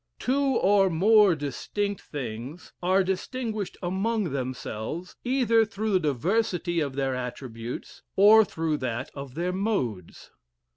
Two or more distinct things are distinguished among themselves, either through the diversity of their attributes, or through that of their modes.